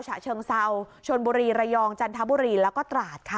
ฉะเชิงเซาชนบุรีระยองจันทบุรีแล้วก็ตราดค่ะ